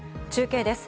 中継です。